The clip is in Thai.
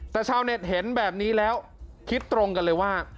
แต่ชาวเน็ตเห็นแบบนี้แล้วคิดตรงกันเลยว่า